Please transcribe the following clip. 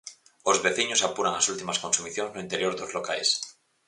Os veciños apuran as últimas consumicións no interior dos locais.